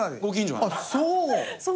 あっそう！